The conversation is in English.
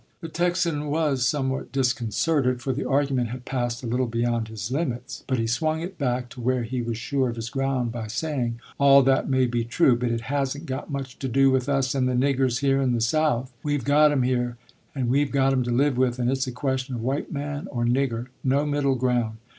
The Texan was somewhat disconcerted, for the argument had passed a little beyond his limits, but he swung it back to where he was sure of his ground by saying: "All that may be true, but it hasn't got much to do with us and the niggers here in the South. We've got 'em here, and we've got 'em to live with, and it's a question of white man or nigger, no middle ground.